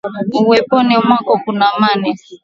Uweponi mwako kuna amani